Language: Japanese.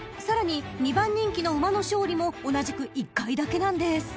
［さらに２番人気の馬の勝利も同じく１回だけなんです］